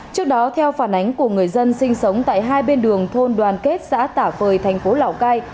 trước đó theo phản ánh của người dân sinh sống tại hai bên đường thôn đoàn kết xã tả phời thành phố lào cai